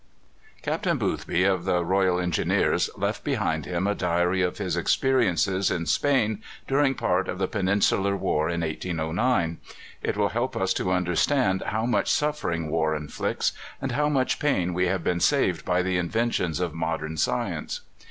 Captain Boothby, of the Royal Engineers, left behind him a diary of his experiences in Spain during part of the Peninsular War in 1809. It will help us to understand how much suffering war inflicts, and how much pain we have been saved by the inventions of modern science.